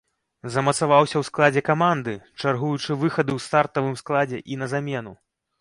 Замацаваўся ў складзе каманды, чаргуючы выхады ў стартавым складзе і на замену.